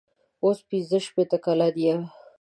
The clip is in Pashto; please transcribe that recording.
اوس پنځه شپېته کلن یم.